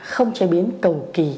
không chế biến cực kỳ